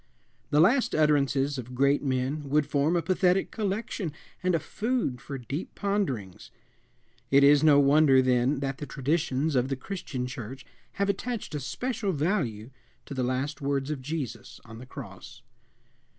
The last utterances of great men would form a pathetic collection and a food for deep ponderings. It is no wonder, then, that the traditions of the Christian Church have attached a special value to the last words of Jesus on the cross.